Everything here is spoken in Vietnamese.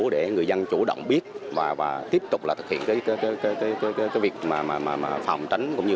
để người dân chủ động biết và tiếp tục thực hiện việc phòng tránh